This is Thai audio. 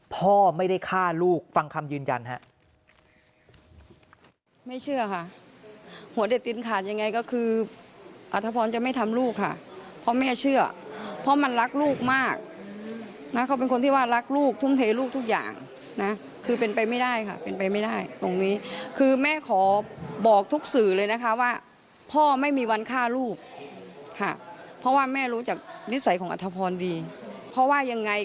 พ่อไม่ได้ฆ่าลูกฟังคำยืนยันฮะ